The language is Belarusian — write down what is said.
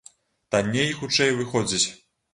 Танней і хутчэй выходзіць.